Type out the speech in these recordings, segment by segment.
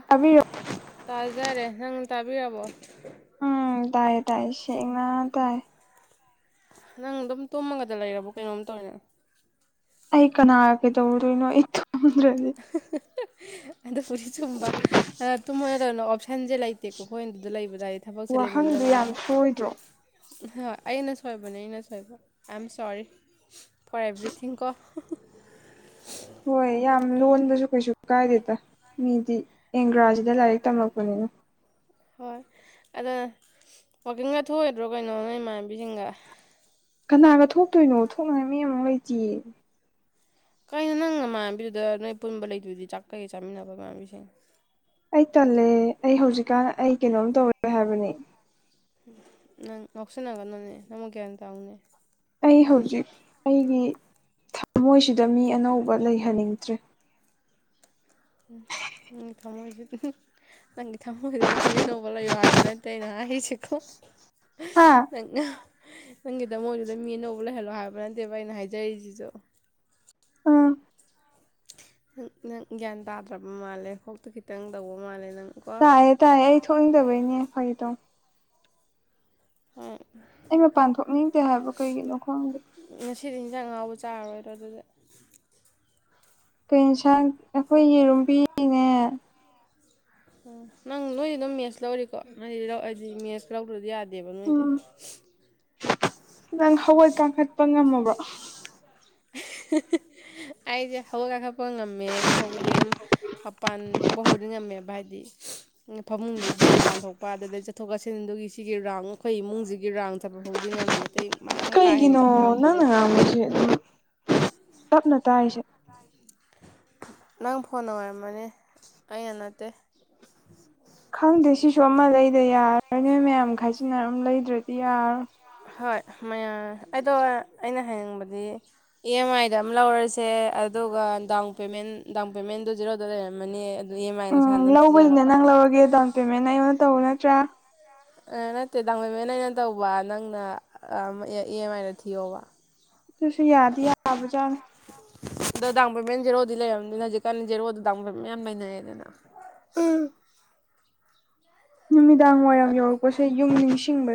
[unintelligible] ꯇꯧꯔꯖꯦ ꯌꯥꯔꯦ ꯅꯪ ꯇꯥꯕꯤꯔꯕꯣ ꯎꯝ ꯇꯥꯏꯌꯦ ꯇꯥꯏ ꯁꯦꯡꯅ ꯇꯥꯏ ꯅꯪ ꯑꯗꯨꯝ ꯇꯨꯝꯃꯒꯗ ꯂꯩꯔꯕꯣ ꯀꯩꯅꯣꯝ ꯇꯧꯔꯦ ꯅꯪ ꯑꯩ ꯀꯅꯥ ꯀꯩ ꯇꯧꯔꯨꯗꯣꯏꯅꯣ ꯑꯩ ꯇꯨꯝ ꯑꯗꯨꯕꯨꯗꯤ ꯆꯨꯝꯕ ꯇꯨꯝꯕ ꯅꯠꯇꯅ ꯑꯣꯞꯁꯟꯁꯦ ꯂꯩꯇꯦꯀꯣ ꯑꯩꯈꯣꯏꯅ ꯑꯗꯨꯗ ꯂꯩꯕꯗꯏꯗꯤ ꯊꯕꯛꯁꯦ ꯂꯩꯃꯟꯗꯕꯅ ꯀꯥꯡ ꯊꯣꯛꯑꯣꯏꯗ꯭ꯔꯣ ꯍꯣꯏ ꯑꯩꯅ ꯁꯣꯏꯕꯅꯦ ꯑꯩꯅ ꯁꯣꯏꯕ I am sorry for everything ꯀꯣ ꯍꯣꯏ ꯌꯥꯝ ꯂꯣꯟꯕꯁꯨ ꯀꯩꯁꯨ ꯀꯥꯏꯗꯦꯗ ꯃꯤꯗꯤ ꯑꯦꯡꯒ꯭ꯔꯥꯖꯤꯗ ꯂꯥꯏꯔꯤꯛ ꯇꯝꯂꯛꯄꯅꯤꯅ꯫ ꯍꯣꯏ ꯑꯗꯨ ꯋꯥꯛꯀꯤꯡꯒ ꯊꯣꯛꯑꯣꯏꯗ꯭ꯔꯣ ꯀꯩꯅꯣ ꯅꯪ ꯏꯃꯥꯟꯅꯕꯤꯁꯤꯡꯒ ꯀꯅꯥꯒ ꯊꯣꯛꯇꯣꯏꯅꯣ ꯊꯣꯛꯅꯕ ꯃꯤ ꯑꯃꯨꯛ ꯂꯩꯇꯤꯌꯦ ꯀꯩꯅꯣ ꯅꯪ ꯃꯃꯥꯟꯕꯤꯗꯨꯗ ꯅꯣꯏ ꯄꯨꯟꯕ ꯂꯩꯗꯨꯗꯤ ꯆꯥꯛꯀꯩ ꯆꯥꯃꯤꯟꯅꯕ ꯅꯃꯥꯟꯕꯤꯁꯤꯡ ꯑꯩ ꯇꯜꯂꯦ ꯑꯩ ꯍꯧꯖꯤꯛꯀꯥꯟ ꯑꯩ ꯀꯩꯅꯣꯝ ꯇꯧꯔꯦ ꯍꯥꯏꯕꯅꯦ꯫ ꯅꯪ ꯅꯧꯁꯤꯅꯒꯅꯨꯅꯦ ꯅꯪꯕꯨ ꯒꯤꯌꯥꯟ ꯇꯥꯎꯅꯦ ꯑꯩ ꯍꯧꯖꯤꯛ ꯑꯩꯒꯤ ꯊꯃꯣꯏꯁꯤꯗ ꯃꯤ ꯑꯅꯧꯕ ꯂꯩꯍꯟꯅꯤꯡꯗ꯭ꯔꯦ ꯎꯝ ꯅꯪꯒꯤ ꯊꯃꯣꯏꯗꯨꯗ ꯅꯪꯒꯤ ꯊꯃꯣꯏꯗꯨꯗ ꯃꯤ ꯑꯅꯧꯕ ꯂꯩꯌꯣ ꯍꯥꯏꯕ ꯅꯠꯇꯦ ꯑꯩꯅ ꯍꯥꯏꯁꯦꯀꯣ ꯍꯥꯥ ꯅꯪꯅ ꯅꯪꯒꯤꯗꯃꯣꯏꯗꯨꯗ ꯃꯤ ꯑꯅꯧꯕ ꯂꯩꯍꯜꯂꯣ ꯍꯥꯏꯕ ꯅꯠꯇꯦꯕ ꯑꯩꯅ ꯍꯥꯏꯖꯔꯤꯖꯤꯖꯨ ꯎꯝ ꯅꯪ ꯅꯪ ꯒ꯭ꯌꯥꯟ ꯇꯥꯗ꯭ꯔꯕ ꯃꯥꯜꯂꯦ ꯀꯣꯛꯇ ꯈꯤꯇꯪ ꯇꯧꯕ ꯃꯥꯜꯂꯦ ꯅꯪ꯫ ꯀꯣ ꯇꯥꯏꯌꯦ ꯇꯥꯏꯌꯦ ꯑꯩ ꯊꯣꯛꯅꯤꯡꯗꯕꯩꯅꯦ ꯐꯒꯤꯇꯧꯅꯦ ꯍꯣꯏ ꯑꯩ ꯃꯄꯥꯟ ꯊꯣꯛꯅꯤꯡꯗꯦ ꯍꯥꯏꯕ ꯀꯩꯒꯤꯅꯣ ꯈꯪꯗꯦ ꯉꯁꯤꯗꯤ ꯏꯟꯖꯥꯡ ꯉꯥꯎꯕ ꯆꯥꯔꯔꯣꯏꯗꯣ ꯑꯗꯨꯗ ꯀꯩ ꯏꯡꯁꯥꯡ ꯑꯩꯈꯣꯏ ꯌꯦꯔꯨꯝ ꯄꯤꯅꯦ ꯅꯪ ꯅꯣꯏ ꯑꯗꯨꯝ ꯃꯦꯠꯁ ꯂꯧꯔꯤꯀꯣ ꯅꯪꯗꯤ ꯂꯧ ꯑꯩꯗꯤ ꯃꯦꯠꯁ ꯂꯧꯗ꯭ꯔꯗꯤ ꯌꯥꯗꯦꯕ ꯅꯣꯏꯗꯤ ꯎꯝ ꯅꯪ ꯍꯧꯒꯠ ꯀꯥꯡꯈꯠꯄ ꯉꯝꯃꯕ꯭ꯔꯣ ꯑꯩꯁꯦ ꯍꯧꯒꯠ ꯀꯥꯡꯈꯠꯄ ꯉꯝꯃꯦ ꯑꯗꯨ ꯐꯥꯎꯕꯗꯤ ꯑꯗꯨꯝ ꯃꯄꯥꯟ ꯊꯣꯛꯄ ꯍꯧꯗꯤ ꯉꯝꯃꯦꯕ ꯍꯥꯏꯗꯤ ꯐꯃꯨꯡꯗꯒꯤ ꯃꯄꯥꯟ ꯊꯣꯛꯄ ꯑꯗꯨꯗꯒꯤꯩ ꯆꯠꯊꯣꯛ ꯆꯠꯁꯤꯟꯗꯨꯒꯤ ꯁꯤꯒꯤ ꯔꯥꯎꯟ ꯑꯩꯈꯣꯏ ꯏꯃꯨꯡꯁꯤꯒꯤ ꯔꯥꯎꯟ ꯆꯠꯄ ꯐꯥꯎꯗꯤ ꯉꯝꯃꯤ ꯑꯇꯩ ꯃꯌꯥꯝ ꯀꯥ ꯍꯦꯟꯅ ꯀꯩꯒꯤꯅꯣ ꯆꯠꯄ ꯅꯪꯅ ꯉꯝꯗ꯭ꯔꯒꯁꯨ ꯉꯥꯡꯁꯦ ꯑꯗꯨꯝ ꯇꯞꯅ ꯇꯥꯏꯁꯦ ꯅꯪ ꯐꯣꯟꯅ ꯑꯣꯏꯔꯝꯃꯅꯦ ꯑꯩꯅ ꯅꯠꯇꯦ ꯈꯪꯗꯦ ꯁꯤꯁꯨ ꯑꯃ ꯂꯩꯗ ꯌꯥꯔꯔꯣꯏ ꯅꯣꯏ ꯃꯌꯥꯝ ꯈꯥꯏꯖꯤꯟꯅꯔꯝ ꯂꯩꯗ꯭ꯔꯗꯤ ꯌꯥꯔꯣꯏ ꯍꯣꯏ ꯃꯌꯥꯝ ꯑꯗꯣ ꯑꯩꯅ ꯍꯅꯤꯡꯕꯗꯤ ꯏ ꯑꯦꯝ ꯑꯥꯏꯗ ꯑꯃ ꯂꯧꯔꯁꯦ ꯑꯗꯨꯒ ꯗꯥꯎꯟ ꯄꯦꯃꯦꯟ ꯗꯥꯎꯟ ꯄꯦꯃꯦꯟꯗꯣ ꯖꯤꯔꯣꯗ ꯂꯩꯔꯝꯃꯅꯤ ꯃꯥꯏꯅ ꯂꯧꯕꯗꯨꯅꯦ ꯅꯪ ꯂꯧꯔꯒꯦ ꯗꯥꯎꯟ ꯄꯦꯃꯦꯟ ꯑꯩꯉꯣꯟꯗ ꯇꯧꯕ ꯅꯠꯇ꯭ꯔꯥ ꯅꯠꯇꯦ ꯗꯥꯎꯟ ꯄꯦꯃꯦꯟ ꯑꯅ ꯇꯧꯕ ꯅꯪꯅ ꯏ ꯑꯦꯝ ꯑꯥꯏꯗ ꯊꯤꯌꯣꯕ ꯇꯨꯁꯨ ꯌꯥꯗꯕꯖ ꯑꯗꯣ ꯗꯥꯎ ꯄꯦꯃꯦꯟ ꯖꯦꯔꯣꯗꯤ ꯂꯩꯔꯕꯅꯤꯅ ꯍꯧꯖꯤꯛꯀꯥꯟ ꯖꯦꯔꯣꯗ ꯗꯥꯡ ꯄꯦꯃꯦꯟ ꯌꯥꯝ ꯂꯩꯅꯩꯑꯦꯗꯅ ꯎꯝ ꯅꯨꯃꯤꯗꯥꯡ ꯋꯥꯏꯔꯝ ꯌꯧꯔꯛꯄꯁꯦ ꯌꯨꯝ ꯅꯤꯡꯁꯤꯡꯕ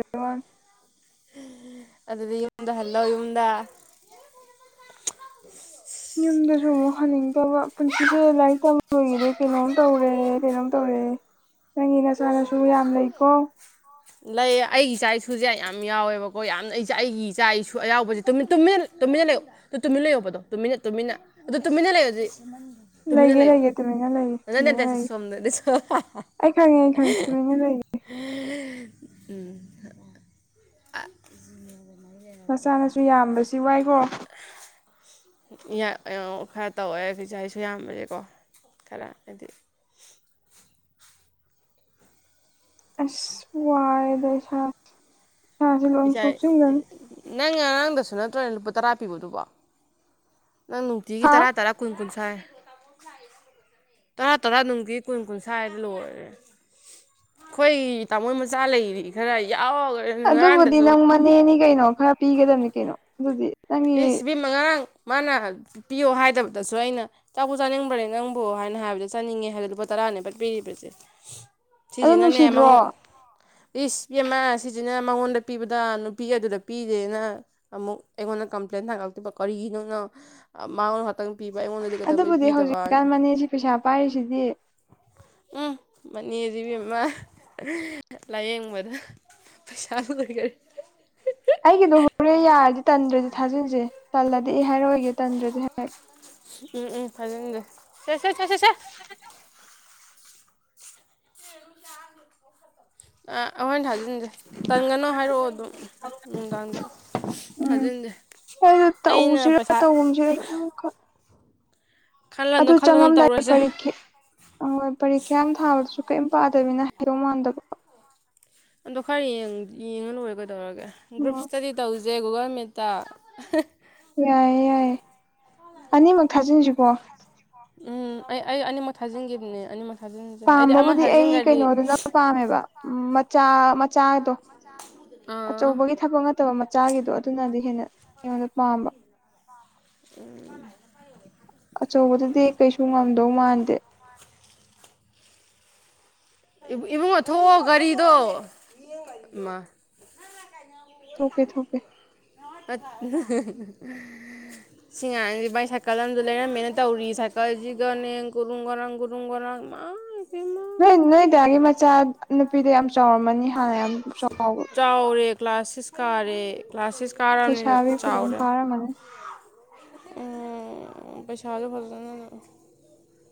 ꯑꯗꯨꯗꯤ ꯌꯨꯝꯗ ꯍꯜꯂꯣ ꯌꯨꯝꯗ ꯌꯨꯝꯗꯁꯨ ꯑꯃꯨꯛ ꯍꯟꯅꯤꯡꯗꯕ ꯄꯨꯟꯁꯤꯁꯦ ꯂꯥꯏꯔꯤꯛ ꯇꯝꯕꯒꯤꯗꯤ ꯀꯩꯅꯣꯝ ꯇꯧꯔꯦ ꯀꯩꯅꯣꯝ ꯇꯧꯔꯦ ꯅꯪꯒꯤ ꯅꯆꯥ ꯅꯁꯨ ꯌꯥꯝ ꯂꯩꯀꯣ ꯂꯩ ꯑꯩꯒꯤ ꯏꯆꯥ ꯏꯁꯨꯁꯦ ꯌꯥꯝ ꯌꯥꯎꯋꯦꯕꯀꯣ ꯌꯥꯝ ꯑꯩꯒꯤ ꯏꯆꯥ ꯏꯁꯨ ꯑꯌꯥꯎꯕꯁꯦ ꯇꯨꯃꯤꯟ ꯇꯨꯃꯤꯟ ꯇꯨꯃꯤꯟꯅ ꯂꯩꯌꯨ ꯑꯗꯨ ꯇꯨꯃꯤꯟꯅ ꯂꯩꯌꯣꯕ ꯑꯗꯣ ꯇꯨꯃꯤꯟꯅ ꯇꯨꯃꯤꯟꯅ ꯑꯗꯨ ꯇꯨꯃꯤꯟꯅ ꯂꯩꯌꯨ ꯑꯗꯨꯗꯤ ꯇꯨꯃꯤꯟꯅ ꯂꯩꯒꯦ ꯂꯩꯌꯨ ꯂꯩꯒꯦ ꯇꯨꯃꯤꯟꯅ ꯂꯩꯒꯦ ꯇꯨꯃꯤꯟꯅ ꯂꯩꯒꯦ ꯑꯩ ꯈꯪꯉꯦ ꯑꯩ ꯈꯪꯉꯦ ꯇꯨꯃꯤꯟꯅ ꯂꯩꯒꯦ [unintelligible] [unintelligible] ꯃꯆꯥꯥꯅꯁꯨ ꯌꯥꯝꯕꯁꯤ ꯋꯥꯏꯈ꯭ꯔꯣ ꯈꯔ ꯇꯧꯋꯦ ꯐꯆ ꯑꯩꯁꯨ ꯌꯥꯝꯕꯁꯦꯀꯣ ꯈꯔ ꯍꯥꯏꯗꯤ ꯑꯁ ꯋꯥꯔꯦꯗ ꯏꯁ ꯏꯁꯥꯁꯦ ꯂꯣꯏ ꯏꯁꯥ ꯁꯣꯛꯆꯤꯟꯒꯅꯤ ꯅꯪ ꯑꯔꯥꯡꯗꯁꯨ ꯅꯠꯇ꯭ꯔꯣꯅꯦ ꯂꯨꯄꯥ ꯇꯔꯥ ꯄꯤꯕꯗꯨꯕꯣ ꯅꯪ ꯅꯨꯡꯇꯤꯒꯤ ꯍꯥ ꯇꯔꯥ ꯇꯔꯥ ꯀꯨꯟ ꯀꯨꯟꯊ꯭ꯔꯥꯏ ꯇꯔꯥ ꯇꯔꯥ ꯅꯨꯡꯒꯤ ꯀꯨꯟ ꯀꯨꯟꯊ꯭ꯥꯏꯗ ꯂꯣꯏꯔꯦ ꯑꯩꯈꯣꯏ ꯇꯥꯃꯣ ꯃꯆꯥ ꯂꯩꯔꯤ ꯈꯔ ꯌꯥꯎꯈ ꯑꯗꯨꯕꯨꯗꯤ ꯅꯪ ꯃꯅꯦꯅꯤ ꯀꯩꯅꯣ ꯈꯔ ꯄꯤꯒꯗꯕꯅꯤ ꯀꯩꯅꯣ ꯑꯗꯨꯗꯤ ꯅꯪꯒꯤ ꯑꯦ ꯁꯤꯚ ꯃꯉꯥ ꯃꯥꯅ ꯄꯤꯌꯣ ꯍꯥꯏꯗꯕꯗꯁꯨ ꯑꯩꯅ ꯆꯥꯛꯄ ꯆꯥꯅꯤꯡꯕ꯭ꯔꯅꯦ ꯅꯪꯕꯨ ꯍꯥꯏꯅ ꯍꯥꯏꯕꯗ ꯆꯥꯅꯤꯡꯉꯦ ꯍꯥꯏꯕꯗ ꯂꯨꯄꯥ ꯇꯔꯥꯅꯦ ꯄꯠꯄꯤꯔꯤꯕꯁꯦ ꯑꯗꯨ ꯁꯤꯁꯤꯅꯅꯦ ꯅꯨꯡꯁꯤꯗ꯭ꯔꯣ ꯃꯉꯣꯟꯠ ꯔꯤꯁꯤꯄꯤꯤ ꯑꯃ ꯁꯤꯁꯤꯅ ꯃꯉꯣꯟꯗ ꯄꯤꯕꯗ ꯅꯨꯄꯤ ꯑꯗꯨꯗ ꯄꯤꯗꯦꯅ ꯑꯃꯨꯛ ꯑꯩꯉꯣꯟꯗ ꯀꯝꯄ꯭ꯂꯦꯟ ꯊꯒꯔꯤꯅ ꯃꯥ ꯈꯤꯇꯪ ꯄꯤꯕ ꯑꯩꯉꯣꯟꯗꯗꯤ ꯀꯩꯇꯩ ꯑꯗꯨꯕꯨꯗꯤ ꯄꯤꯗꯕꯅ ꯍꯧꯖꯤꯛꯀꯥꯟ ꯃꯅꯦꯁꯤ ꯄꯩꯁꯥ ꯄꯥꯏꯔꯤꯁꯤꯗꯤ ꯎꯝ ꯃꯅꯦꯁꯤꯕꯤꯃ ꯂꯥꯏꯌꯦꯡꯕꯗ ꯄꯁꯝ ꯂꯩꯒꯔ ꯑꯩꯒꯤꯗꯣ ꯍꯣꯔꯦꯟ ꯌꯥꯔꯗꯤ ꯇꯟꯗ꯭ꯔꯗꯤ ꯊꯥꯖꯤꯟꯁꯦ ꯇꯜꯂꯗꯤ ꯑꯩ ꯍꯥꯏꯔꯑꯣꯏꯒꯦ ꯇꯟꯗ꯭ꯔꯗꯤꯦ ꯍꯥꯏ ꯎꯝ ꯎꯝ ꯐꯖꯒꯦ ꯁꯦ ꯁꯦ ꯁꯦ ꯁꯦ ꯁꯦ [unintelligible] [inaudible] ꯑꯥ ꯑꯩꯈꯣꯏꯅ ꯊꯥꯖꯤꯟꯁꯦ ꯇꯪꯒꯅꯣ ꯍꯥꯏꯔꯛꯑꯣ ꯑꯗꯨꯝ ꯅꯨꯡꯗꯥꯡꯗ ꯎꯝ ꯊꯥꯖꯤꯟꯁꯦ ꯑꯩꯅ ꯄꯁ ꯇꯦ ꯈ ꯈꯜꯂꯅꯨ ꯑꯗꯨ ꯈꯜꯂꯅꯨ ꯆꯪꯉꯝꯗꯥꯏ ꯇꯧꯔꯁꯦ ꯄꯔꯈꯤ ꯑꯣꯏ ꯄꯔꯤꯈ꯭ꯌꯥ ꯌꯥꯝ ꯊꯥꯕꯗꯁꯨ ꯀꯩꯝ ꯄꯥꯗꯕꯤꯅ ꯍꯥꯏꯗꯧ ꯃꯥꯟꯗꯕ ꯑꯗꯣ ꯈꯔ ꯌꯦꯡꯉ ꯂꯣꯏꯔꯦ ꯀꯩꯗꯧꯔꯒꯦ ꯒ꯭ꯔꯨꯞ ꯑꯣ ꯏꯁꯇꯗꯤ ꯇꯧꯁꯦ ꯒꯨꯒꯜ ꯃꯦꯠꯇ ꯌꯥꯏꯌꯦ ꯌꯥꯏꯌꯦ ꯑꯅꯤꯃꯛ ꯊꯥꯖꯤꯟꯁꯤꯀꯣ ꯎꯝ ꯑꯩ ꯑꯩ ꯑꯅꯤꯃꯛ ꯊꯥꯖꯤꯟꯈꯤꯕꯅꯦ ꯑꯅꯤꯃꯛ ꯊꯥꯖꯤꯟꯁꯦ ꯑꯩꯗꯤ ꯑꯃ ꯄꯥꯝꯕꯕꯨꯗꯤ ꯑꯩ ꯊꯥꯖꯤꯟꯈ꯭ꯔꯗꯤ ꯀꯩꯅꯣꯗꯨꯅ ꯄꯥꯝꯃꯦꯕ ꯃꯆꯥ ꯃꯆꯥꯗꯣ ꯑꯥ ꯑꯆꯧꯕꯒꯤ ꯊꯕꯛ ꯅꯠꯇꯕ ꯃꯆꯥꯒꯤꯗꯣ ꯑꯗꯨꯅꯗꯤ ꯍꯦꯟꯅ ꯑꯩꯉꯣꯟꯗ ꯄꯥꯝꯕ ꯏ ꯃꯥꯅꯦ ꯑꯆꯧꯕꯗꯨꯗꯤ ꯀꯩꯁꯨ ꯉꯝꯗꯧ ꯃꯥꯟꯗꯦ ꯏꯃꯨꯡꯉ ꯊꯣꯛꯑꯣ ꯒꯥꯔꯤꯗꯣ ꯃꯥ ꯊꯣꯛꯀꯦ ꯊ ꯊꯣꯛꯧꯀꯦ ꯑ ꯉꯥꯏꯁꯤ ꯃꯥꯏ ꯁꯥꯏꯀꯜ ꯑꯃꯗ ꯂꯩꯅ ꯃꯅ ꯇꯧꯔꯤ ꯁꯥꯏꯀꯜꯁꯤꯒꯅꯦꯟ ꯒꯨꯔꯨꯝ ꯒꯔꯪꯨ ꯔꯨꯡꯒꯔꯥꯡ ꯃꯥꯏꯕꯃ ꯅꯣꯏ ꯅꯣꯏꯗꯤꯒꯤ ꯃꯆꯥ ꯅꯨꯄꯤꯗ ꯌꯥꯝ ꯆꯥꯎꯔꯝꯃꯅꯤ ꯍꯥꯟꯅ ꯌꯥꯝ ꯆꯥꯎꯕ ꯆꯥꯎꯔꯦ ꯀ꯭ꯂꯥꯁ ꯁꯤꯦꯁ ꯀꯥꯔꯦ ꯀ꯭ꯂꯥꯁ ꯁꯤꯦꯁ ꯀꯥꯔꯕꯅꯤꯅ ꯆꯥꯎꯔꯦ ꯃꯥꯅꯦ ꯎꯝ ꯄꯩꯁꯥꯗ ꯐꯁꯗꯅꯅ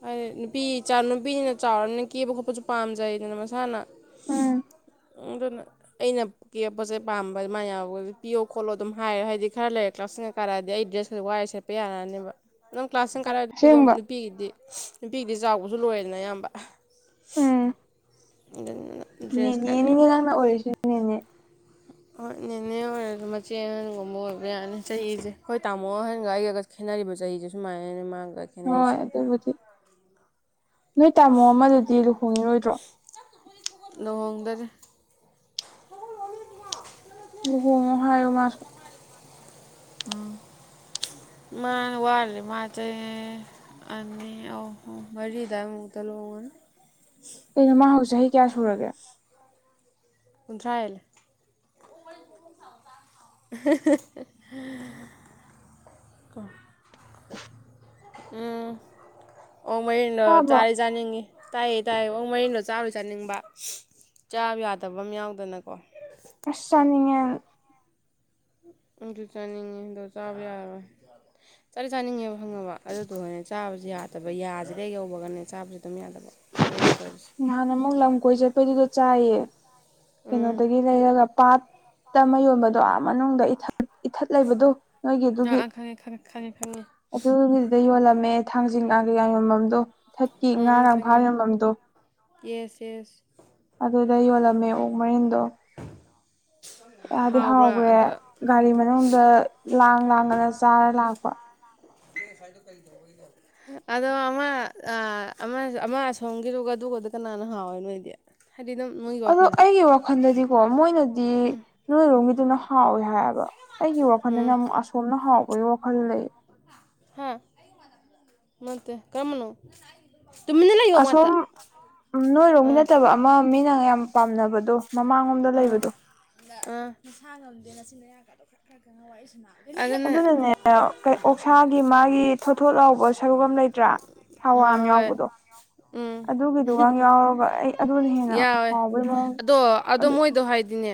ꯍꯥꯏꯗꯤ ꯅꯨꯄꯤ ꯅꯨꯄꯤꯅ ꯆꯥꯎꯔꯅꯤꯅ ꯀꯦꯕ ꯈꯣꯠꯄꯁꯨ ꯄꯥꯝꯖꯩꯗꯅ ꯃꯁꯥꯅ ꯎꯝ ꯑꯗꯨꯅ ꯑꯩꯅ ꯀꯦꯞꯄꯁꯦ ꯄꯥꯝꯕ ꯑꯗꯨꯃꯥꯏꯅ ꯌꯥꯎꯕꯒ ꯄꯤꯌꯣ ꯈꯣꯠꯂꯣ ꯑꯗꯨꯝ ꯍꯥꯏꯔ ꯍꯥꯏꯗꯤ ꯈꯔ ꯂꯩꯔꯦ ꯂꯥꯛꯁꯤꯟꯉꯛꯥꯔꯛꯑꯗꯤ ꯑꯩ ꯗ꯭ꯔꯦꯁ ꯈꯔ ꯋꯥ ꯁꯦꯠꯄ ꯌꯥꯔꯅꯦꯕ ꯑꯗꯨꯝ ꯀ꯭ꯂꯥꯁꯁꯤꯡ ꯀꯥꯔꯛꯑꯗꯤ ꯑꯗꯨꯝ ꯑꯁꯦꯡꯕ ꯅꯨꯄꯤꯒꯤꯗꯤ ꯅꯨꯄꯤꯒꯤꯗꯤ ꯆꯥꯎꯕꯁꯨ ꯂꯣꯏꯔꯦꯗꯅ ꯑꯌꯥꯝꯕ ꯑꯗꯨꯅ ꯅꯅꯦ ꯗ꯭ꯔꯦꯁꯀꯁꯦ ꯅꯩꯅꯅꯦ ꯂꯅ ꯑꯣꯏꯁꯤ ꯅꯅꯦ ꯍꯣꯏ ꯅꯦꯅꯦ ꯑꯣꯏꯔꯁꯨ ꯃꯆꯦ ꯑꯍꯟꯒꯨꯝꯕ ꯑꯣꯏꯕ ꯌꯥꯅꯤ ꯆꯍꯤꯁꯦ ꯍꯣꯏ ꯇꯥꯃꯣ ꯑꯍꯟꯒ ꯑꯩꯒ ꯈꯦꯠꯅꯔꯤꯕ ꯆꯍꯤꯁꯦ ꯁꯨꯃꯥꯏꯅ ꯃꯥꯒ ꯍꯣꯏ ꯈꯦꯠꯅꯔꯤꯁꯦ ꯑꯗꯨꯕꯨꯗꯤ ꯅꯣꯏ ꯇꯥꯃꯣ ꯑꯃꯗꯗꯤ ꯂꯨꯍꯣꯡꯉꯤꯔꯣꯏꯗ꯭ꯔꯣ ꯂꯍꯣꯡꯒꯔ ꯍꯨꯝ ꯍꯥꯏꯨ ꯃꯥ ꯎꯝ ꯃꯥꯅ ꯋꯥꯦ ꯃꯥꯆꯦ ꯑ ꯑꯣ ꯃꯗ ꯃꯨꯗ ꯂ ꯀꯩꯅꯣ ꯃꯥ ꯍꯧꯖꯤꯛ ꯆꯍꯤ ꯀꯌꯥ ꯁꯨꯔꯒꯦ ꯀꯟꯊ꯭ꯔꯥ ꯍꯥꯏꯂ ꯎꯝ ꯑꯣ ꯃꯣꯏꯅ ꯇꯥꯕ꯭ꯔꯣ ꯆꯥꯁ ꯆꯥꯅꯤꯡꯉꯤ ꯇꯥꯏꯌꯦ ꯇꯥꯏꯌꯦ ꯑꯣ ꯃꯔꯤꯟꯗꯣ ꯆꯥꯔꯣꯏ ꯆꯥꯅꯤꯡꯕ ꯆꯥꯕ ꯌꯥꯗꯕ ꯑꯃ ꯌꯥꯎꯗꯅꯀꯣ ꯑꯁ ꯆꯅꯤꯡꯉ ꯑꯗꯨꯗꯨ ꯆꯅꯤꯡꯉꯗꯣ ꯆꯥꯕ ꯌꯥꯔ ꯆꯥꯔꯤ ꯆꯥꯅꯤꯡꯉꯦꯕ ꯐꯪꯉꯕ ꯑꯗꯨꯗꯣ ꯍꯣꯔꯅꯦ ꯆꯥꯕꯁꯨ ꯌꯥꯗꯦ ꯅꯕ ꯌꯥꯁꯤꯗꯩ ꯌꯧꯕꯒꯅꯦ ꯆꯥꯕꯁꯨ ꯑꯗꯨꯝ ꯌꯥꯗꯕ ꯑꯩꯉꯣꯟꯗ ꯇꯧꯔꯤꯁꯦ ꯅꯍꯥꯟ ꯑꯃꯨꯛ ꯂꯝ ꯀꯣꯏ ꯆꯠꯄꯩꯗꯨꯗ ꯆꯥꯏꯌꯦ ꯎꯝ ꯀꯩꯅꯣꯗꯒꯤ ꯂꯩꯔꯒ ꯄꯥꯠꯇ ꯑꯃ ꯌꯣꯟꯕꯗꯣ ꯑꯥ ꯃꯅꯨꯡꯗ ꯏꯊ ꯏꯊꯠ ꯂꯩꯕꯗꯣ ꯅꯣꯏꯒꯤ ꯑꯥ ꯑꯗꯨꯒꯤ ꯑꯥ ꯈꯪꯉꯦ ꯈꯪꯉꯦ ꯈꯪꯉꯦ ꯈꯪꯉꯦ ꯑꯗꯨꯒꯤꯗꯨꯗ ꯌꯣꯜꯂꯝꯃꯦ ꯊꯥꯡꯖꯤꯡ ꯉꯥꯡ ꯀꯩꯀꯥ ꯌꯣꯟꯐꯝꯗꯣ ꯏꯊꯠꯀꯤ ꯉꯥ ꯎꯝ ꯎꯝ ꯉꯥꯡ ꯐꯥ ꯈꯪꯉꯦ ꯌꯣꯟꯐꯝꯗꯣ ꯌꯦꯁ ꯌꯦꯁ ꯑꯗꯨꯗ ꯌꯣꯜꯂꯝꯃꯦ ꯑꯣꯛ ꯃꯔꯤꯟꯗꯣ ꯌꯥꯗꯤ ꯍꯥꯎꯕ꯭ꯔꯥ ꯍꯥꯎꯈ꯭ꯔꯦ ꯒꯥꯔꯤ ꯃꯅꯨꯡꯗ ꯂꯥꯡ ꯂꯥꯡꯗꯅ ꯆꯥꯔ ꯂꯥꯛꯄ ꯀ ꯐꯥꯏꯗꯣ ꯀꯩꯗꯣꯒ ꯑꯗꯣ ꯑꯃ ꯑꯃ ꯑꯁꯣꯝꯒꯤꯔꯒꯗꯨꯒꯗ ꯀꯅꯥꯅ ꯍꯥꯎꯋꯦ ꯅꯣꯏꯗꯤ ꯍꯥꯏꯔꯤꯗꯝ ꯅꯣꯏ ꯑꯗꯣ ꯑꯩꯒꯤ ꯋꯥꯈꯜꯗꯗꯤꯀꯣ ꯃꯣꯏꯅꯗꯤ ꯎꯝ ꯅꯣꯏꯔꯣꯝꯒꯤꯗꯨꯅ ꯍꯥꯎꯋꯦ ꯍꯥꯏ ꯑꯩꯒꯤ ꯋꯥꯈꯜꯗꯅ ꯎꯝ ꯑꯃꯛ ꯑꯁꯣꯝꯅ ꯍꯥꯎꯕꯒꯤ ꯋꯥꯈꯜ ꯂꯩ ꯃꯦ ꯀꯃꯅꯣ ꯇꯨꯃꯤꯗꯅ ꯌꯣ ꯃꯥꯇ ꯎꯝ ꯅꯣꯏꯔꯣꯝꯒꯤ ꯑꯥ ꯅꯠꯇꯕ ꯑꯃ ꯃꯤꯅ ꯌꯥꯝ ꯄꯥꯝꯅꯕꯗꯣ ꯃꯃꯥꯡꯂꯣꯝꯗ ꯂꯩꯕꯗꯣ ꯅꯨꯡꯁꯥ ꯉꯝꯗꯦ ꯅꯆꯤꯟ ꯃꯌꯥ ꯀꯗ ꯈ ꯈꯔ ꯈ ꯋꯥꯏ ꯁꯨꯃ ꯑꯗꯨꯅꯅꯦ ꯑꯣꯛꯁꯥꯒꯤ ꯃꯥꯒꯤ ꯊꯣꯊꯣꯠ ꯂꯥꯎꯕ ꯁꯔꯨꯛ ꯑꯃ ꯂꯩꯇ꯭ꯔꯥ ꯊꯥꯎꯏ ꯍꯣꯏ ꯑꯃ ꯍꯣꯏ ꯌꯥꯎꯕꯗꯣ ꯎꯝ ꯑꯗꯨꯒꯤꯗꯨꯒ ꯌꯥꯎꯔꯕ ꯑꯩ ꯑꯗꯨꯅ ꯍꯦꯟꯅ ꯌꯥꯎꯋꯦ ꯍꯥꯎꯕꯩ ꯑꯗꯣ ꯑꯗꯣ ꯑꯗꯨ ꯃꯣꯏꯗꯣ ꯍꯥꯏꯗꯤꯅꯦ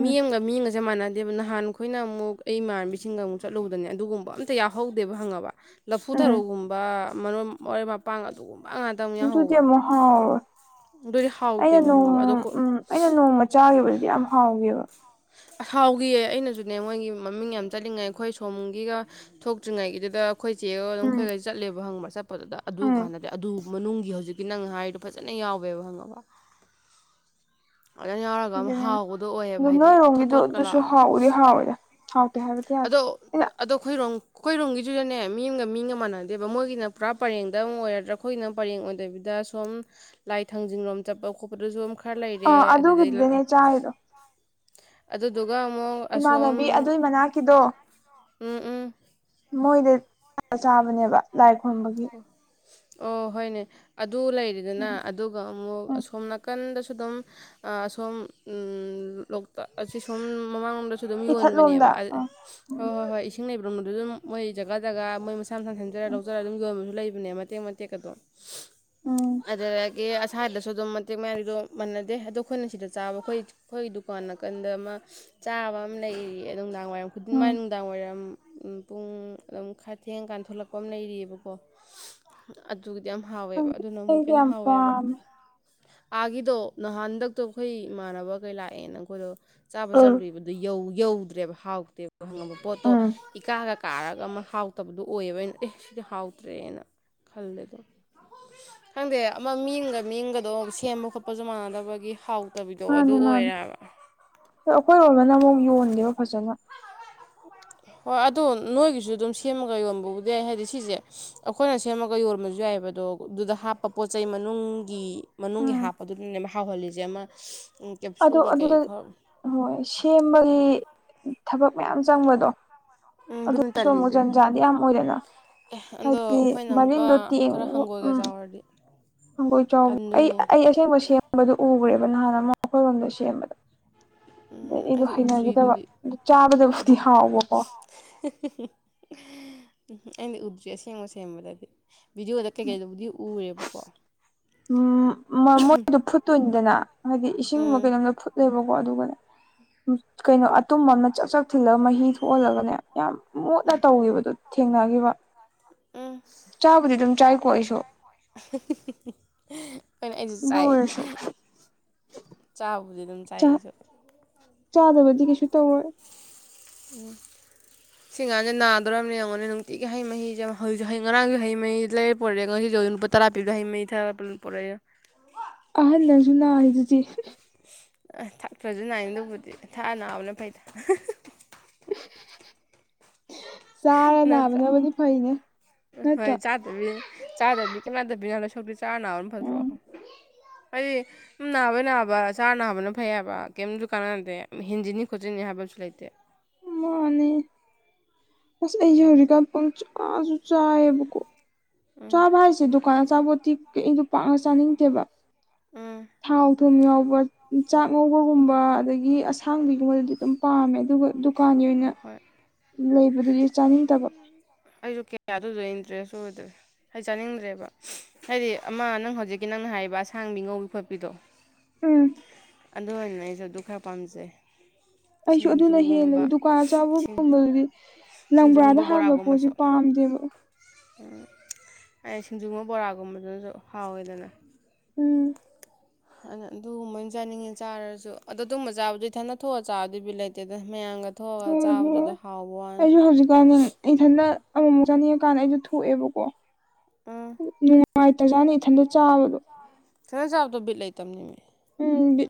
ꯎꯝ ꯃꯤꯌꯦꯡ ꯃꯤꯒ ꯃꯤꯑꯃꯒꯁꯦ ꯃꯥꯟꯅꯗꯦꯕ ꯅꯍꯥꯟ ꯑꯩꯈꯣꯏꯅ ꯑꯃꯨꯛ ꯑꯩ ꯏꯃꯥꯟꯅꯕꯤꯁꯤꯡꯒ ꯑꯃꯨꯛ ꯆꯠꯂꯨꯕꯗꯅꯦ ꯑꯗꯨꯒꯨꯝꯕ ꯑꯝ ꯇꯥ ꯌꯥꯎꯍꯧꯗꯦꯕ ꯍꯪꯉꯕ ꯂꯐꯨ ꯎꯝ ꯊꯔꯣꯒꯨꯝꯕ ꯃꯔꯣꯏ ꯃꯄꯥꯡ ꯑꯗꯨꯒꯨꯝꯕ ꯉꯥꯛ ꯑꯗꯨꯗꯤ ꯑꯃꯨꯛ ꯍꯥꯎꯏ ꯑꯗꯨꯗꯤ ꯍꯥꯎꯇꯦꯕ ꯍꯪꯉꯕ ꯑꯗꯣ ꯑꯩꯅ ꯅꯣꯡꯃ ꯆꯥꯈꯤꯕꯗꯨꯗꯤ ꯌꯥꯝ ꯍꯥꯎꯋꯦꯕ ꯑꯍꯥꯎꯒꯤꯌꯦ ꯑꯩꯅꯁꯨꯅꯦ ꯃꯣꯏꯒꯤ ꯃꯃꯤꯡ ꯌꯥꯝ ꯆꯠꯂꯤꯉꯩ ꯑꯩꯈꯣꯏ ꯁꯣꯝꯒꯤꯒ ꯊꯣꯛꯇ꯭ꯔꯤꯉꯩꯒꯤꯗꯨꯗ ꯑꯩꯈꯣꯏ ꯆꯦꯒ ꯑꯗꯨꯝ ꯎꯝ ꯑꯩꯈꯣꯏꯒꯩ ꯆꯠꯂꯦꯕ ꯍꯪꯕ꯭ꯔꯥ ꯆꯠꯄꯗꯨꯗ ꯑꯗꯨ ꯎꯝ ꯀꯥꯟꯗꯗꯤ ꯑꯗꯨ ꯃꯅꯨꯡꯒꯤ ꯍꯧꯖꯤꯛꯀꯤ ꯅꯪ ꯍꯥꯏꯔꯣ ꯐꯖꯅ ꯌꯥꯎꯋꯦꯕ ꯍꯪꯉꯕ ꯌꯥꯎꯔꯒ ꯑꯃ ꯍꯥꯎꯕꯗꯣ ꯑꯣꯏꯌꯦꯕ ꯑꯗꯨ ꯍꯥꯏꯗꯤ ꯊꯣꯠ ꯅꯣꯏꯔꯣꯝꯒꯤꯗꯨ ꯊꯣꯠꯀ ꯑꯗꯨꯁꯨ ꯂꯥꯎꯔ ꯍꯥꯎꯎꯗꯤ ꯍꯥꯎꯋꯦꯔꯦ ꯑꯣꯀꯦ ꯍꯥꯏꯕꯗꯤ ꯌꯥꯔꯦ ꯑꯗꯣ ꯑꯗꯣ ꯑꯩꯈꯣꯏꯔꯣꯡ ꯑꯩꯈꯣꯏ ꯔꯨꯝꯒꯤꯁꯤꯗꯅꯦ ꯃꯤ ꯑꯃꯒ ꯃꯤꯒ ꯃꯥꯟꯅꯗꯦꯕ ꯃꯣꯏꯒꯤꯅ ꯄꯨꯔꯥ ꯄꯔꯦꯡꯗ ꯑꯃ ꯑꯣꯏꯔꯗ꯭ꯔꯥ ꯑꯩꯈꯣꯏꯒꯤꯅ ꯄꯔꯦꯡ ꯑꯣꯏꯗꯕꯤꯗ ꯁꯨꯝ ꯂꯥꯏ ꯊꯥꯡꯖꯤꯡꯂꯣꯝ ꯆꯠꯄ ꯈꯣꯠꯄꯗꯁꯨꯝ ꯈꯔ ꯂꯩꯔꯦ ꯑꯥ ꯑꯗꯨꯗꯩ ꯑꯗꯨꯒꯤꯗꯨꯗꯅꯦ ꯆꯥꯔꯤꯗꯣ ꯑꯗꯨꯗꯨꯒ ꯑꯃꯨꯛ ꯑꯁꯣꯝ ꯏꯃꯥꯟꯅꯕꯤ ꯑꯗꯨꯏ ꯃꯅꯥꯛꯀꯤꯗꯣ [unintelligible] ꯎꯝ ꯎꯝ ꯃꯣꯏꯗꯣ [unintelligible] ꯆꯥꯕꯅꯦꯕ ꯂꯥꯏ ꯈꯨꯔꯨꯝꯕꯒꯤ ꯑꯣ ꯍꯣꯏꯅꯦ ꯑꯗꯨ ꯂꯩꯔꯦꯗꯅ ꯎꯝ ꯑꯗꯨꯒ ꯑꯃꯨꯛ ꯎꯝ ꯑꯁꯣꯝ ꯅꯥꯀꯟꯗꯁꯨ ꯑꯗꯨꯝ ꯑꯥ ꯁꯣꯝ ꯂꯣꯛꯇꯥꯛ ꯑꯁꯤ ꯁꯣꯝ ꯃꯃꯥꯡ ꯂꯣꯝꯗꯁꯨ ꯑꯗꯨꯝ ꯏꯊꯠꯂꯣꯝꯗ ꯌꯣꯟꯕꯅꯦꯕ ꯑꯥ [unintelligible] ꯎꯝ ꯍꯣꯏ ꯍꯣꯏ ꯍꯣꯏ ꯏꯁꯤꯡ ꯂꯩꯕꯔꯣꯝꯗꯨꯒꯤ ꯃꯣꯏ ꯖꯒꯥ ꯖꯒꯥ ꯃꯣꯏ ꯃꯁꯥ ꯃꯁꯥ ꯁꯦꯝꯖꯔꯒ ꯎꯝ ꯂꯧꯖꯔꯒ ꯑꯗꯨꯝ ꯌꯣꯡꯁꯨ ꯂꯩꯕꯅꯦ ꯃꯇꯦꯛ ꯃꯇꯦꯛ ꯑꯗꯣ ꯎꯝ ꯑꯗꯨꯗꯥ ꯀꯤ ꯑꯁꯥꯏꯗꯁꯨ ꯑꯗꯨꯝ ꯃꯇꯦꯛ ꯃꯌꯥꯝꯁꯤꯗꯣ ꯃꯥꯟꯅꯗꯦ ꯑꯗꯣ ꯑꯩꯈꯣꯏꯅ ꯁꯤꯗ ꯆꯥꯕ ꯑꯩꯈꯣꯏ ꯑꯩꯈꯣꯏ ꯗꯨꯀꯥꯟ ꯅꯥꯀꯟꯗ ꯑꯃ ꯆꯥꯕ ꯑꯃ ꯂꯩꯔꯤ ꯅꯨꯡꯗꯥꯡ ꯎꯝ ꯃꯥꯏ ꯅꯨꯡꯗꯥꯡ ꯋꯥꯏꯔꯝ ꯄꯨꯡ ꯑꯗꯨꯝ ꯈꯔ ꯊꯦꯡ ꯀꯥꯟ ꯊꯣꯛꯣꯂꯛꯄ ꯑꯃ ꯂꯩꯔꯤꯌꯦꯕ ꯑꯣ ꯑꯗꯨꯒꯤꯗꯣ ꯌꯥꯝ ꯍꯥꯎꯋꯦꯕ ꯈꯪꯗꯦ ꯑꯗꯨꯅ ꯑꯃꯨꯛꯀ ꯑꯩꯗꯤ ꯍꯦꯟꯅ ꯌꯥꯝ ꯍꯥꯎꯋꯦꯕ ꯄꯥꯝꯃꯦ ꯑꯥꯒꯤꯗꯣ ꯅꯍꯥꯟꯗꯛꯇꯣ ꯑꯩꯈꯣꯏ ꯏꯃꯥꯟꯅꯕꯈꯩ ꯂꯥꯛꯑꯦꯅ ꯑꯩꯈꯣꯏꯗꯣ ꯆꯥꯕ ꯎꯝ ꯆꯠꯂꯨꯏꯕ ꯑꯗꯨ ꯌꯧꯗ꯭ꯔꯦꯕ ꯍꯥꯎꯇꯦꯕ ꯈꯪꯉꯕ ꯄꯣꯠꯇꯣ ꯎꯝ ꯏꯀꯥꯒ ꯀꯥꯔꯒ ꯑꯃ ꯍꯥꯎ ꯐꯠꯇꯕꯗꯣ ꯑꯣꯏꯌꯦꯕ ꯑꯩꯅ ꯑꯦ ꯁꯤꯗꯤ ꯍꯥꯎꯇ꯭ꯔꯦꯅ ꯈꯜꯂꯦꯗꯣ ꯈꯪꯗꯦ ꯑꯃ ꯃꯤꯑꯃꯒ ꯃꯤꯑꯃꯒꯗꯣ ꯁꯦꯝꯕ ꯈꯣꯠꯄꯁꯨ ꯃꯥꯟꯅꯗꯕꯒꯤ ꯍꯥꯎ ꯃꯥꯅꯦ ꯃꯥꯅꯦ ꯑꯩꯈꯣꯏ ꯑꯣꯏꯕꯅ ꯑꯃꯨꯛ ꯌꯣꯟꯗꯦꯕ ꯐꯖꯅ ꯍꯣꯏ ꯑꯗꯨ ꯅꯣꯏꯒꯤꯁꯨ ꯑꯗꯨꯝ ꯁꯦꯝꯃꯒ ꯌꯣꯟꯕꯕꯨꯗꯤꯏ ꯌꯥꯏ ꯍꯥꯏꯗꯤ ꯁꯤꯁꯦ ꯑꯩꯈꯣꯏꯅ ꯁꯦꯝꯃꯒ ꯌꯣꯟꯕꯁꯨ ꯌꯥꯏꯑꯕ ꯑꯗꯣ ꯑꯗꯨꯗ ꯍꯥꯞꯄ ꯄꯣꯠ ꯆꯩꯩ ꯃꯅꯨꯡꯒꯤ ꯃꯅꯨꯡꯒꯤ ꯎꯝ ꯍꯥꯞꯄꯗꯨꯅꯅꯦ ꯍꯥꯎꯍꯜꯂꯤꯁꯦ ꯑꯃ ꯑꯗꯣ ꯀꯦꯞꯁꯨꯜꯒ ꯀꯩ ꯑꯗꯨꯗ ꯈꯔ ꯑꯃꯨꯛ ꯁꯦꯝꯕꯩ ꯊꯕꯛ ꯃꯌꯥꯝ ꯆꯪꯕꯗꯣ ꯎꯝ ꯑꯗꯨꯅ ꯑꯗꯨꯁꯨ ꯑꯃꯨꯛ ꯇꯜꯂꯤꯁꯦ ꯖꯟꯖꯥꯗꯤ ꯌꯥꯝ ꯑꯣꯏꯗꯥꯅ ꯑꯦ ꯑꯗꯣ ꯑꯩꯈꯣꯏꯅ ꯑꯃꯨꯛꯀ ꯈꯔ ꯇꯦꯡꯉꯨ ꯍꯪꯒꯣꯏꯒ ꯎꯝ ꯆꯥꯎꯔꯗꯤ ꯍꯪꯒꯣꯏ ꯆꯥꯎꯕ ꯑꯩ ꯇꯟꯗꯣꯏꯅꯦ ꯑꯩ ꯑꯁꯦꯡꯕ ꯁꯦꯝꯕꯗꯨ ꯎꯈ꯭ꯔꯦꯕ ꯅꯍꯥꯟ ꯑꯃ ꯑꯩꯈꯣꯏꯔꯣꯝꯗ ꯁꯦꯝꯕꯗ ꯎꯝ ꯑꯗꯩꯒꯤꯗꯤ ꯑꯩꯗꯤ ꯎꯗ꯭ꯔꯤ ꯍꯩꯅꯈꯤꯗꯕ ꯑꯗꯨꯗꯤ ꯑꯗꯨ ꯑꯗꯨ ꯆꯥꯕꯗꯕꯨꯗꯤ ꯍꯥꯎꯕꯀꯣ ꯎꯝ ꯑꯩꯝꯕꯤ ꯎꯗ꯭ꯔꯤ ꯑꯁꯦꯡꯕ ꯁꯦꯝꯕꯗꯗꯤ ꯚꯤꯗꯤꯑꯣꯗ ꯀꯩꯀꯩꯗꯨꯕꯨꯗꯤ ꯎꯔꯦꯕꯀꯣ ꯎꯝ ꯃꯣꯏꯗꯣ ꯐꯨꯠꯇꯣꯏꯅꯤꯗꯅ ꯍꯥꯏꯗꯤ ꯏꯁꯤꯡ ꯎꯝ ꯀꯩꯅꯣꯝꯗ ꯐꯨꯠ ꯂꯩꯕꯀꯣ ꯑꯗꯨꯒꯅꯦ ꯀꯩꯅꯣ ꯑꯇꯨꯝꯕ ꯑꯃꯅ ꯆꯛ ꯆꯛ ꯊꯤꯜꯂꯒ ꯃꯍꯤ ꯊꯣꯛꯍꯜꯂꯒꯅꯦ ꯌꯥꯝ ꯃꯣꯠꯅ ꯇꯧꯈꯤꯕꯗꯨ ꯊꯦꯡꯅꯈꯤꯕ ꯎꯝ ꯆꯥꯕꯗꯤ ꯑꯗꯨꯝ ꯆꯥꯏꯀꯣ ꯑꯩꯁꯨ [inaudible] ꯑꯩꯅ ꯑꯩꯁꯨ ꯗꯨꯑꯣꯏꯁꯨ ꯆꯥꯕꯕꯨꯗꯤ ꯑꯗꯨꯝ ꯆꯥꯏ ꯑꯩꯁꯨ [unintelligible] ꯑꯣ ꯁꯤ ꯉꯥꯡꯁꯦ ꯅꯥꯗꯣꯔꯕꯅꯤ ꯌꯦꯡꯉꯣꯅꯦ ꯅꯨꯡꯇꯤꯒꯤ ꯍꯩ ꯃꯍꯤꯁꯦ ꯍꯩ ꯉꯔꯥꯡꯁꯨ ꯍꯩ ꯃꯍꯤ ꯂꯩꯔ ꯄꯨꯔꯛꯑ ꯉꯁꯤꯁꯨ ꯇꯔ ꯄꯤꯒ ꯍꯩ ꯃꯁꯤ ꯊꯛꯑꯥꯒꯥ ꯄꯨꯔꯛ ꯑ ꯑꯍꯟꯅꯁꯨ ꯅꯥꯔꯤꯗꯨꯗꯤ ꯊꯛꯇꯔ꯭ꯁꯨ ꯅꯥꯏ ꯑꯗꯨꯕꯨ ꯗꯤ ꯊꯛꯑꯥꯒꯥ ꯅꯕꯅꯥ ꯐꯩ ꯆꯥꯔ ꯅꯠꯇ꯭ꯔꯥ ꯅꯥꯕꯅꯥꯕꯨꯗꯤ ꯐꯩꯅꯦ ꯅꯠꯇ꯭ꯔꯥ ꯑꯗꯨꯗꯤ ꯆꯥꯗꯕꯤ ꯀꯅꯥꯅꯗꯕꯕꯤꯅꯗ ꯁꯣꯛꯇꯤ ꯆꯥ ꯅꯥꯕꯝ ꯐꯠꯇ꯭ꯔꯣ ꯎꯝ ꯍꯥꯏꯗꯤ ꯅꯥꯕꯩ ꯅꯥꯕ ꯆꯥꯔ ꯅꯥꯕꯅ ꯐꯩ ꯍꯥꯏꯕ ꯀꯩꯝꯁꯨ ꯀꯥꯟꯅꯗꯦ ꯍꯦꯟꯖꯤꯟꯅꯤ ꯈꯣꯠꯆꯤꯟꯅꯤ ꯍꯥꯏꯕꯁꯨ ꯂꯩꯇꯦ ꯃꯥꯅꯦ ꯑꯁ ꯑꯩ ꯍꯧꯖꯤꯛꯀꯥꯟ ꯄꯪꯆꯥꯥꯁꯨ ꯆꯥꯏꯌꯦꯕꯀꯣ ꯎꯝ ꯆꯥꯕ ꯍꯥꯏꯁꯤꯗꯤ ꯀꯥꯟ ꯆꯥꯄꯣꯠꯇꯤ ꯀꯩꯃꯁꯨ ꯄꯥꯛꯅ ꯆꯥꯅꯤꯡꯇꯦꯕ ꯎꯝ ꯊꯥꯎ ꯊꯨꯝ ꯌꯥꯎꯕ ꯆꯥꯛ ꯉꯧꯕꯒꯨꯝꯕ ꯑꯗꯒꯤ ꯑꯁꯥꯡꯕꯤꯒꯨꯝꯕꯗꯨ ꯑꯗꯨꯝ ꯄꯥꯝꯃꯦ ꯑꯗꯨꯒ ꯗꯨꯛ ꯀꯥꯡꯅꯦꯅꯥ ꯍꯣꯏ ꯂꯩꯕꯗꯩꯏ ꯆꯥꯅꯤꯡꯗꯕ ꯑꯩꯁꯨ ꯀꯌꯥꯗꯨꯁꯨ ꯏꯟꯇꯔꯦꯁ ꯑꯣꯏꯗ꯭ꯔꯦ ꯍꯥꯏ ꯆꯥꯅꯤꯡꯗ꯭ꯔꯦꯕ ꯍꯥꯏꯗꯤ ꯑꯃ ꯅꯪ ꯍꯧꯖꯤꯛꯀꯤ ꯅꯪꯅ ꯍꯥꯏꯕ ꯑꯁꯥꯡꯕꯤ ꯉꯧꯕꯤ ꯈꯣꯠꯄꯤꯗꯣ ꯎꯝ ꯑꯗꯨꯅ ꯑꯩꯁꯨ ꯑꯗꯨ ꯈꯔ ꯄꯥꯝꯖꯩ ꯑꯩꯁꯨ ꯑꯗꯨꯅ ꯁꯤꯡꯖꯨꯒꯨꯝꯕ ꯍꯦꯜꯂꯦꯕ ꯗꯨꯀꯥꯟ ꯁꯤꯡ ꯑꯆꯥꯄꯣꯠꯒꯨꯝꯕꯗꯨꯗꯤ ꯁꯤꯡꯖꯨꯒꯨꯝꯕ ꯂꯪꯕ꯭ꯔꯥꯗ ꯍꯥꯟꯕ ꯄꯣꯠꯁꯦ ꯕꯣꯔꯥꯒꯨꯝꯕꯁꯨ ꯄꯥꯝꯗꯦꯕ ꯎꯝ ꯑꯩ ꯁꯤꯡꯖꯨꯒ ꯕꯣꯔꯥꯒꯨꯝꯕꯗꯨꯅꯁꯨ ꯍꯥꯎꯋꯦꯗꯅ ꯎꯝ ꯑꯗꯨꯒꯨꯝꯕꯅ ꯆꯥꯅꯤꯡꯉꯦ ꯆꯥꯔꯁꯨ ꯑꯗꯣ ꯑꯗꯨꯒꯨꯝꯕ ꯆꯥꯕꯗꯨ ꯏꯊꯅ ꯊꯣꯛꯑ ꯆꯥꯕꯗꯨꯒꯤꯕꯨ ꯂꯩꯇꯦꯗꯅ ꯃꯌꯥꯝꯒ ꯊꯣꯛꯑꯒ ꯍꯣꯏ ꯆꯥꯕꯗꯨꯗ ꯍꯥꯎꯕ ꯋꯥꯅꯤ ꯏꯊꯟꯗ ꯑꯃꯃꯨꯛ ꯆꯥꯅꯤꯡꯉꯀꯥꯟꯗ ꯑꯩꯗꯣ ꯊꯣꯛꯑꯦꯕꯀꯣ ꯎꯝ ꯅꯨꯉꯥꯏꯇꯥ ꯖꯥꯠ ꯅꯦ ꯏꯊꯟꯇ ꯆꯥꯕ ꯏꯊꯟ ꯆꯕꯗꯣ ꯕꯤꯠ ꯂꯩꯇꯕꯅꯦ ꯎꯝ